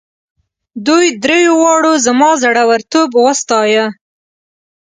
دوی دریو واړو زما زړه ورتوب وستایه.